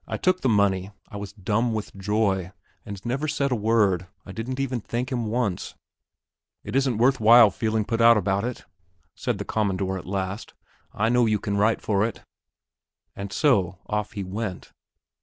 I took the money; I was dumb with joy, and never said a word; I didn't even thank him once. "It isn't worth while feeling put out about it," said the "Commandor" at last. "I know you can write for it." And so off he went.